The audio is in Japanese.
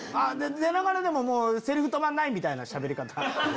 出ながらでもセリフ止まんないみたいなしゃべり方。